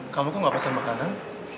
kamu kok nggak pesan makanan